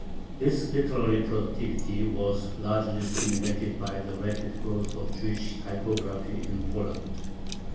This literary productivity was largely stimulated by the rapid growth of Jewish typography in Poland.